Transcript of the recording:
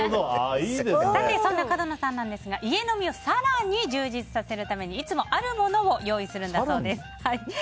そんな角野さんですが家飲みを更に充実させるためにいつも、あるものを用意するんだそうです。